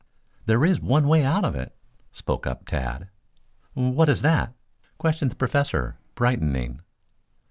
"There is one way out of it," spoke up Tad. "What is that?" questioned the Professor, brightening.